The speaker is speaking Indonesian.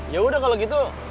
yaudah kalau gitu